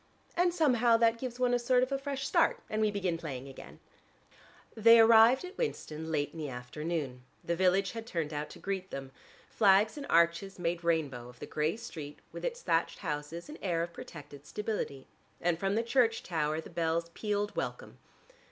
And somehow that gives one a sort of a fresh start, and we begin playing again." They arrived at Winston late in the afternoon; the village had turned out to greet them, flags and arches made rainbow of the gray street with its thatched houses and air of protected stability, and from the church tower the bells pealed welcome.